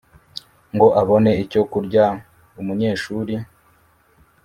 ngo abone icyo kurya umunyeshuri